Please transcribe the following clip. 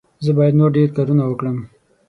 زه باید نور ډېر کارونه وکړم.